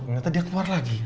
ternyata dia keluar lagi